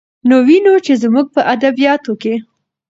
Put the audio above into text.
نو وينو، چې زموږ په ادبياتو کې